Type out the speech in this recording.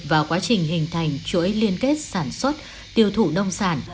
vào quá trình hình thành chuỗi liên kết sản xuất tiêu thụ nông sản